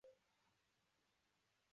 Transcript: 富宁薹草是莎草科薹草属的植物。